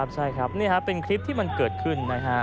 ใช่ครับนี่เป็นคลิปที่มันเกิดขึ้น